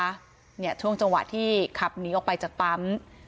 เนี่ยช่วงจังหวะที่ขับหนีออกไปจากปั๊ม